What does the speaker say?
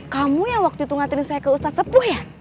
kamu yang waktu itu ngaturin saya ke ustadz sepuh ya